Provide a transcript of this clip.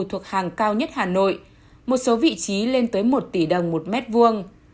thuộc hàng cao nhất hà nội một số vị trí lên tới một tỷ đồng một mét vuông